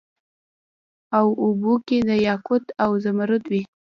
او اوبو کي به یاقوت او زمرود وي